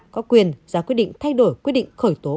có quyền ra quyết định thay đổi quyết định khởi tố